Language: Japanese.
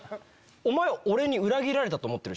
俺に裏切られたと思ってる？